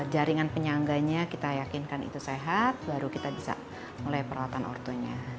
jaringan penyangganya kita yakinkan itu sehat baru kita bisa mulai peralatan ortonya